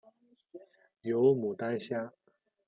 有牡丹虾